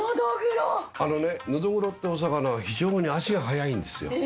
あのねノドグロってお魚は非常に足がはやいんですよ。